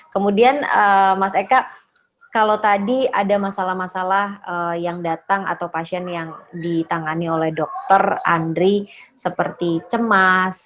kemudian mas eka kalau tadi ada masalah masalah yang datang atau pasien yang ditangani oleh dokter andri seperti cemas